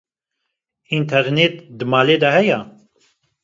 Înternêt di mal de heye ?